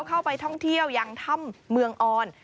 เข้าไปท่องเที่ยวยังถ้ำเมืองออน